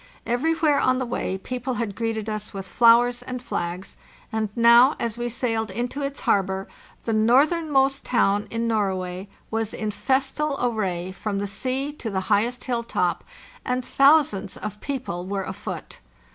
Everywhere on the way people had greeted us with flowers and flags, and now, as we sailed into its harbor, the northernmost town in Norway was in festal array from the sea to the highest hilltop, and thousands of people were afoot.